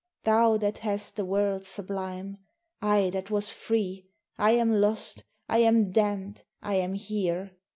Thou that hast the world sublime! I that was free, I am lost, I am damned, I am here!